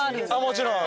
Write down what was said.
もちろん。